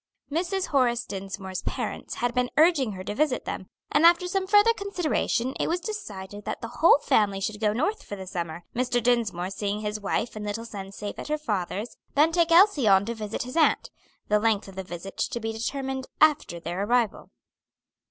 Mrs. Horace Dinsmore's parents had been urging her to visit them, and after some further consideration it was decided that the whole family should go North for the summer, Mr. Dinsmore see his wife and little son safe at her father's, then take Elsie on to visit his aunt; the length of the visit to be determined after their arrival.